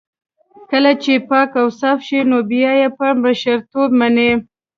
کله چې پاک اوصاف شي نو بيا يې په مشرتوب مني.